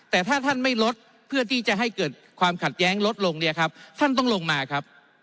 แต่ถ้าท่านไม่ลดเพื่อที่จะให้เกิดความขัดแย้งลดลงเนี่ยครับท่านต้องลงมาครับ